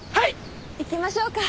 行きましょうか。